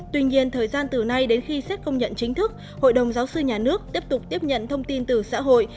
tuy nhiên thời gian từ nay đến khi xét công nhận chính thức hội đồng giáo sư nhà nước tiếp tục tiếp nhận thông tin từ xã hội